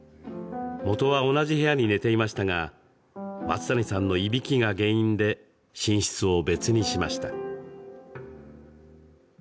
もとは同じ部屋に寝ていましたが松谷さんの、いびきが原因で寝室を別にしました。